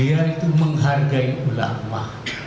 yaitu menghargai ulama